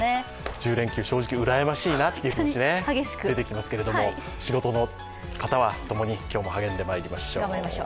１０連休、正直うらやましいなという気持ちが出てきますけども仕事の方は、共に今日も励んでまいりましょう。